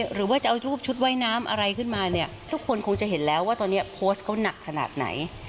หรือว่าจะเอารูปชุดว่ายน้ำอะไรขึ้นมาเนี่ยทุกคนคงจะเห็นแล้วว่าตอนนี้โพสต์เขาหนักขนาดไหน